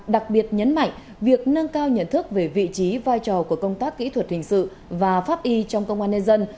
đặc biệt nhấn mạnh việc nâng cao nhận thức về vị trí vai trò của công tác kỹ thuật hình sự và pháp y trong công an nhân dân